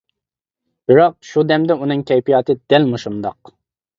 بىراق شۇ دەمدە ئۇنىڭ كەيپىياتى دەل مۇشۇنداق.